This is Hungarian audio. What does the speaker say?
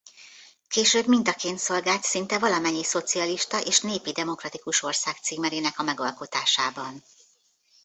Később mintaként szolgált szinte valamennyi szocialista és népi demokratikus ország címerének a megalkotásában.